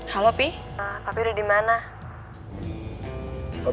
halo pi papi udah dimana